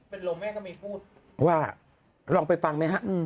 เป็นลมแม่ก็มีพูดว่าลองไปฟังไหมฮะ